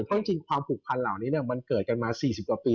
เพราะจริงความผูกพันเหล่านี้มันเกิดกันมา๔๐กว่าปี